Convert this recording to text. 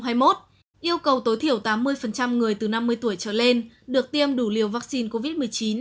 yêu cầu tối thiểu tám mươi người từ năm mươi tuổi trở lên được tiêm đủ liều vaccine covid một mươi chín